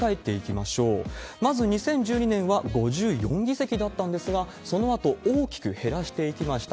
まず２０１２年は５４議席だったんですが、そのあと、大きく減らしていきました。